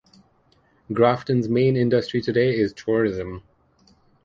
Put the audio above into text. Grafton's main industry today is tourism.